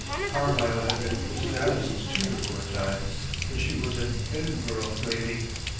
Carlyle had been Mrs. Addison's tutor for a time, for she was an Edinburgh lady.